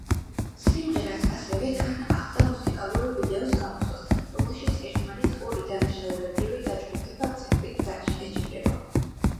სიმღერას ასევე თან ახლდა მუსიკალური ვიდეოს გამოსვლაც, რომელშიც ერთმანეთს ორი დანაშაულებრივი დაჯგუფება ცეკვით ეჯიბრება.